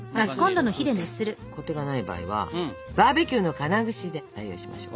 コテがない場合はバーベキューの金串で代用しましょう。